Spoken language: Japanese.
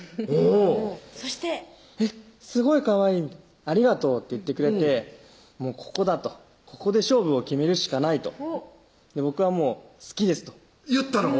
おぉ「すごいかわいいありがとう」って言ってくれてここだとここで勝負を決めるしかないと僕はもう「好きです」と言ったの？